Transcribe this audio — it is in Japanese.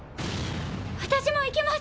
私も行きます。